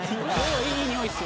いいにおいっすよ。